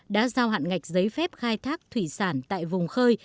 đã giao hạn ngạch giấy phép khai thác thủy sản tại vùng khơi